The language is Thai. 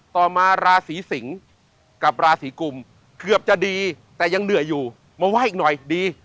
ต่อมาราศีสิงกับราศีกุมเกือบจะดีแต่ยังเหนื่อยอยู่มาไหว้อีกหน่อยดี